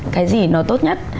cái gì nó tốt nhất